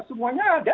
semuanya ada di sana